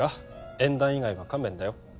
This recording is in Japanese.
縁談以外は勘弁だよ